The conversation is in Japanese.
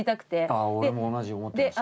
ああ俺も同じ思ってました。